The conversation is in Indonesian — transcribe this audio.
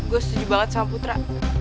gue setuju banget sama putra